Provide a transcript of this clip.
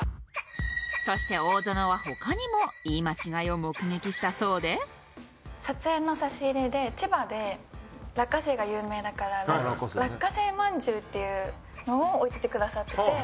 そして大園は他にも言い間違えを目撃したそうで撮影の差し入れで千葉で落花生が有名だから落花生饅頭っていうのを置いててくださっていて。